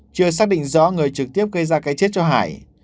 chưa xác định rõ người trực tiếp gây ra cái chết cho hải